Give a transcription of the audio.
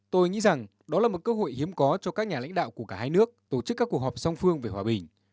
tôi nghĩ rằng đó là một cơ hội hiếm có cho các nhà lãnh đạo của cả hai nước tổ chức các cuộc họp song phương về hòa bình